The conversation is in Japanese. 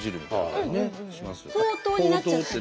「ほうとう」になっちゃって。